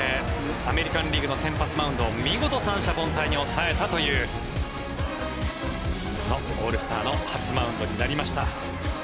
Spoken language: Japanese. アメリカン・リーグの先発マウンドを見事、三者凡退に抑えたというこのオールスターの初マウンドになりました。